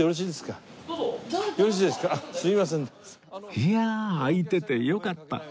いや開いててよかった。